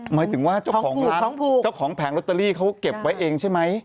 หมายถึงว่าเจ้าของร้านเจ้าของแผงลอตเตอรี่เขาเก็บไว้เองใช่ไหม